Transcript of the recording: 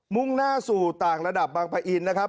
มุ่งหน้าสู่ต่างระดับบางปะอินนะครับ